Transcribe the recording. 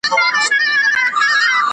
د هغه کتابونه د څه په اړه دي؟